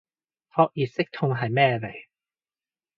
撲熱息痛係咩嚟